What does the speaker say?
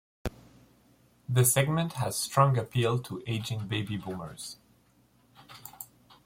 The segment has strong appeal to aging baby boomers.